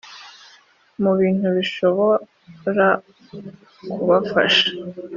mu bintu bishobora kubafasha